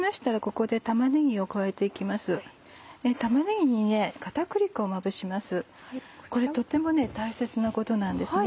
これとっても大切なことなんですね。